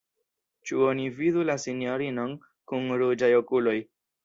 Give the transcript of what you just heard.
Ĉu oni vidu la sinjorinon kun ruĝaj okuloj?